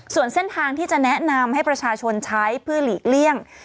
ส่วนเส้นทางที่จะแนะนำให้ประชาชนใช้เพื่อหลีกเลี่ยง